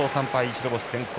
白星先行。